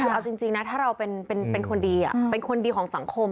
คือเอาจริงนะถ้าเราเป็นคนดีเป็นคนดีของสังคม